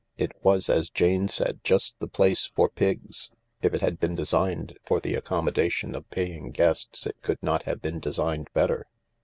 It was, as Jane said, just the place for Pigs. If it had been designed for the accommodation of paying guests it could not have been designed better.